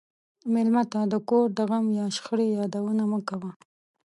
مېلمه ته د کور د غم یا شخړې یادونه مه کوه.